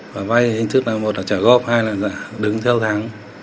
và vai thì hình thức là một là trả góp hai là đứng theo thắng